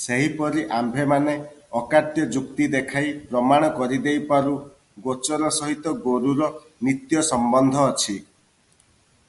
ସେହିପରି ଆମ୍ଭେମାନେ ଅକାଟ୍ୟ ଯୁକ୍ତି ଦେଖାଇ ପ୍ରମାଣ କରିଦେଇପାରୁ ଗୋଚର ସହିତ ଗୋରୁର ନିତ୍ୟ ସମ୍ବନ୍ଧ ଅଛି ।